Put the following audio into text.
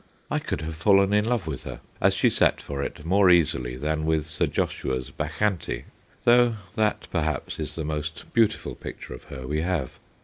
I could have fallen in love with her as she sat for it more easily than with Sir Joshua's 'Bacchante,' though that perhaps is the most beautiful picture of her we have.